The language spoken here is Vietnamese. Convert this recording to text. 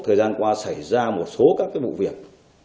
thời gian qua xảy ra một số các vụ việc